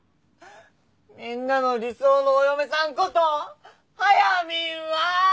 みんなの理想のお嫁さんことはやみんは！